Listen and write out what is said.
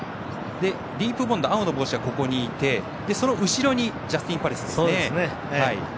ディープボンド、青の帽子がここにいてその後ろにジャスティンパレスですね。